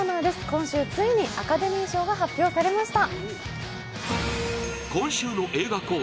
今週ついにアカデミー賞が発表されました。